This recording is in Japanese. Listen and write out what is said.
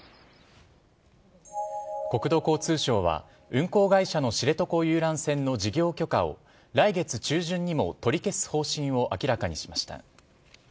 国土交通省は運航会社の知床遊覧船の事業許可を、来月中旬にも取り消す方針を明らかにしました。